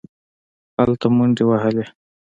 هلته منډې وهلې.